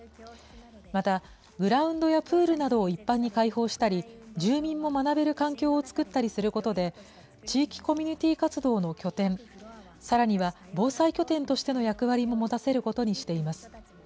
また、グラウンドやプールなどを一般に開放したり、住民も学べる環境を作ったりすることで、地域コミュニティー活動の拠点、さらには防災拠点としての役割も持たせることにしています。